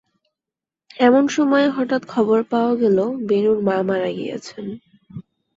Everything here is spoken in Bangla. এমন সময়ে হঠাৎ খবর পাওয়া গেল বেণুর মা মারা গিয়াছেন।